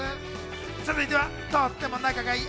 続いてはとても仲がいい